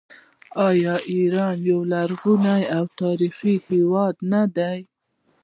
آیا ایران یو لرغونی او تاریخي هیواد نه دی؟